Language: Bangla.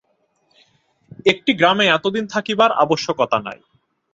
একটি গ্রামে এতদিন থাকিবার আবশ্যক নাই।